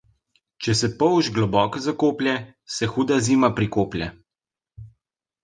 Če se polž globoko zakoplje, se huda zima prikoplje.